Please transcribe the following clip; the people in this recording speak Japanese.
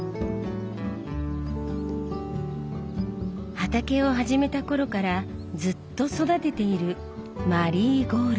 畑を始めた頃からずっと育てている「マリーゴールド」。